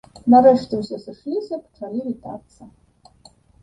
Нарэшце ўсе сышліся, пачалі вітацца.